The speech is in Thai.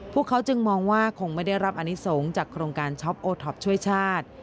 พวกเขาจึงมองว่าคงไม่ได้รับอนิสงฆ์จากโครงการช็อปโอท็อปช่วยชาติ